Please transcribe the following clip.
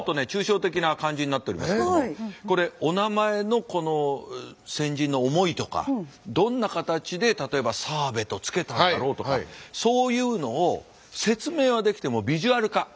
抽象的な感じになっておりますけどもこれおなまえのこの先人の思いとかどんな形で例えば「澤部」と付けたんだろうとかそういうのを説明はできてもビジュアル化。